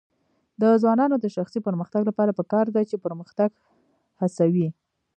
د ځوانانو د شخصي پرمختګ لپاره پکار ده چې پرمختګ هڅوي.